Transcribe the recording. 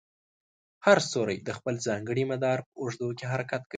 هر ستوری د خپل ځانګړي مدار په اوږدو کې حرکت کوي.